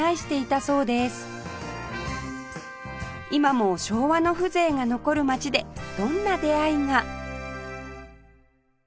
今も昭和の風情が残る街でどんな出会いが？